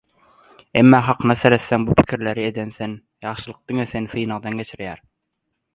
Emma hakyna seretseň, bu pikirleri eden sen, ýagşylyk diňe seni synagdan geçirýär.